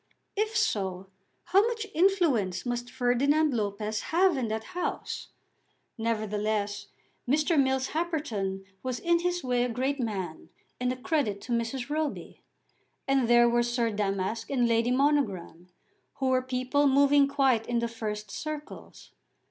If so, how much influence must Ferdinand Lopez have in that house! Nevertheless, Mr. Mills Happerton was in his way a great man, and a credit to Mrs. Roby. And there were Sir Damask and Lady Monogram, who were people moving quite in the first circles.